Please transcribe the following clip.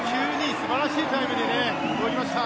すばらしいタイムで泳ぎました。